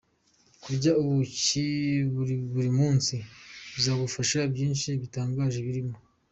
Kurya ubuki buri munsi bizagufasha byinshi bitangaje birimo:.